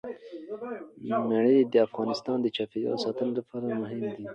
منی د افغانستان د چاپیریال ساتنې لپاره مهم دي.